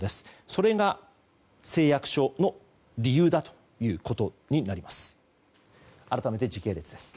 それが誓約書の理由だということになります。